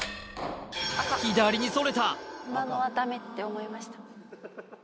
左にそれた！